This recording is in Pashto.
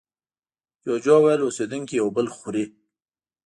جوجو وویل اوسېدونکي یو بل خوري.